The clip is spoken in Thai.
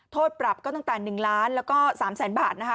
โทษปรับก็ตั้งแต่๑ล้านแล้วก็๓แสนบาทนะคะ